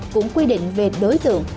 cũng quy định về đối tượng